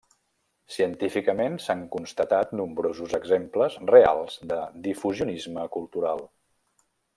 Científicament, s'han constatat nombrosos exemples reals de difusionisme cultural.